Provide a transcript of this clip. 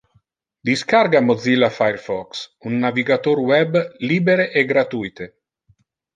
Discarga Mozilla Firefox, un navigator web libere e gratuite.